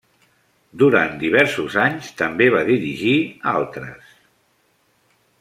Durant diversos anys també va dirigir altres.